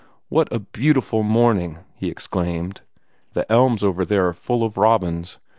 "What a beautiful morning!" he exclaimed. "The elms over there are full of robins.